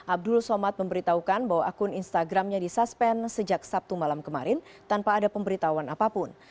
abdul somad memberitahukan bahwa akun instagramnya disuspend sejak sabtu malam kemarin tanpa ada pemberitahuan apapun